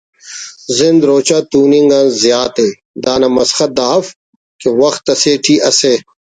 زند روچہ توننگ آن زیات ءِ (دانا مسخت دا اف کہ وخت اسے ٹی اسہ